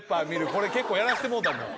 これ結構やらせてもろうたのよ。